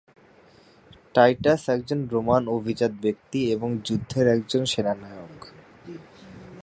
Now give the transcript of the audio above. Titus একজন Roman অভিজাত ব্যক্তি এবং যুদ্ধের একজন সেনানায়ক।